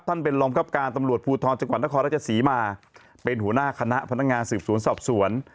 เป็นรองครับการตำรวจภูทรจังหวัดนครราชศรีมาเป็นหัวหน้าคณะพนักงานสืบสวนสอบสวน